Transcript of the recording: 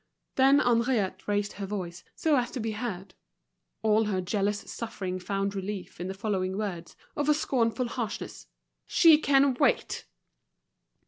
Then Henriette raised her voice, so as to be heard. All her jealous suffering found relief in the following words, of a scornful harshness: "She can wait!"